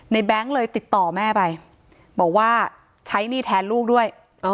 แบงค์เลยติดต่อแม่ไปบอกว่าใช้หนี้แทนลูกด้วย